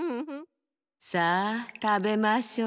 さあたべましょう。